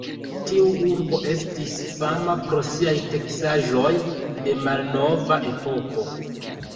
Tiu urbo estis fama pro siaj teksaĵoj de malnova epoko.